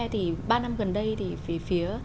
thì ba năm gần đây thì phía